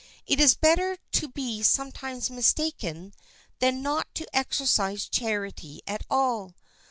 It is better to be sometimes mistaken than not to exercise charity at all.